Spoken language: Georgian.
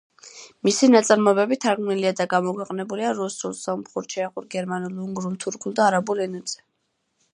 მისი ნაწარმოებები თარგმნილია და გამოქვეყნებულია რუსულ, სომხურ, ჩეხურ, გერმანულ, უნგრულ, თურქულ და არაბულ ენებზე.